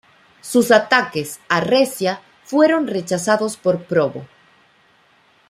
Sus ataques a Recia fueron rechazados por Probo.